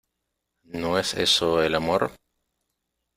¿ no es eso el amor?